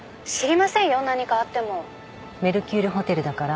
メルキュールホテルだから。